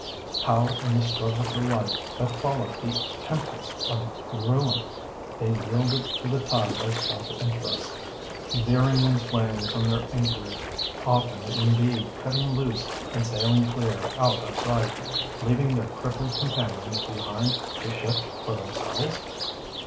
— how in the struggle for life that followed the tempest of ruin they yielded to the tide of self interest, veering and swaying from their anchor age, often indeed cutting loose and sailing clear out of sight, leaving their crippled companions behind to shift for themselves?